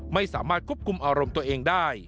ไม่สามารถควบคุมอารมณ์ตัวเองได้